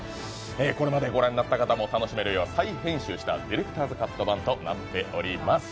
これまでご覧になった方も楽しめるよう再編集したディレクターズカット版となっております。